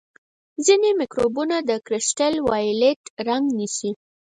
ځینې مکروبونه د کرسټل وایولېټ رنګ نیسي.